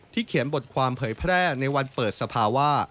เขียนบทความเผยแพร่ในวันเปิดสภาวะ